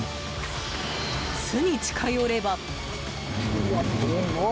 巣に近寄れば。